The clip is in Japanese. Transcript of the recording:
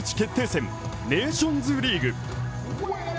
戦ネーションズリーグ。